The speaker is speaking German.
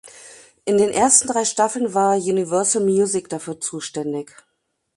In den ersten drei Staffeln war Universal Music dafür zuständig.